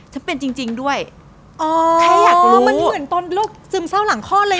ฉันเป็นจริงจริงด้วยอ๋อใครอยากรู้มันเหมือนตอนโรคซึมเศร้าหลังคลอดเลย